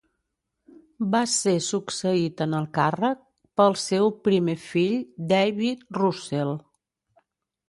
Va ser succeït en el càrrec pel seu primer fill David Russell.